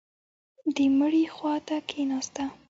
د مړي خوا ته کښېناسته.